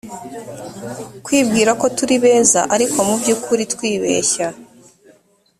kwibwira ko turi beza ariko mu by ukuri twibeshya